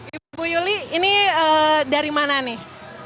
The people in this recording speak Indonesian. ibu yuli ini dari mana nih